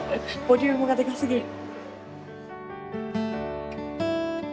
ボリュームがでかすぎる。